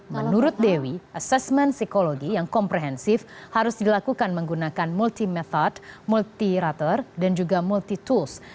menurut dewi asesmen psikologi yang komprehensif harus dilakukan menggunakan multi method multi rater dan juga multi tools